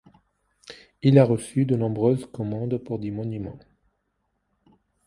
Il a reçu de nombreuses commandes pour des monuments.